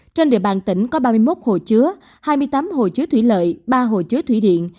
trên địa bàn tỉnh có ba mươi một hồ chứa hai mươi tám hồ chứa thủy lợi ba hồ chứa thủy điện